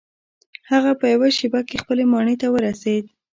هغه په یوه شیبه کې خپلې ماڼۍ ته ورسید.